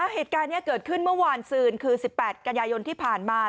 เหตุการณ์นี้เกิดขึ้นเมื่อวานซืนคือ๑๘กันยายนที่ผ่านมา